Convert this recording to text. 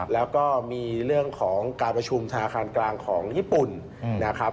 แล้วก็มีเรื่องของการประชุมธนาคารกลางของญี่ปุ่นนะครับ